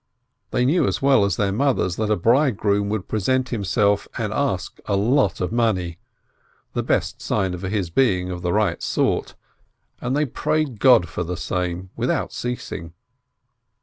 They knew as well as their mothers that a bridegroom would present himself and ask a lot of money (the best sign of his being the right sort!), and they prayed God for the same with out ceasing.